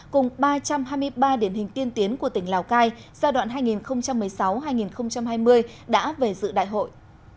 cùng ba trăm hai mươi ba điển hình tiên tiến của tỉnh lào cai giai đoạn hai nghìn một mươi sáu hai nghìn hai mươi đã về dự đại hội